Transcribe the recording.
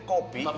eh kopi enggak